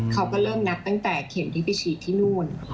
เขาก็เริ่มนับตั้งแต่เข็มที่ไปฉีดที่นู่น